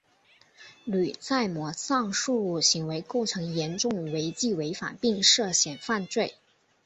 吕在模上述行为构成严重违纪违法并涉嫌犯罪。